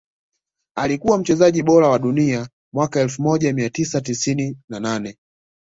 Alikuwa mchezaji bora wa dunia mwaka elfu moja mia tisa tisini na nane